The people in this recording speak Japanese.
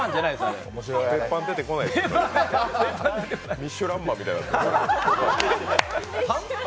ミシュランマンみたいになってる。